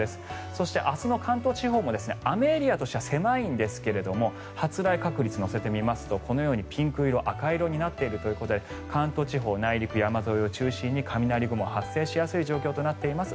そして、明日の関東地方も雨エリアとしては狭いんですが発雷確率乗せてみますとこのようにピンク色、赤色になっているということで関東地方内陸、山沿いを中心に雷雲が発生しやすい状況となっています。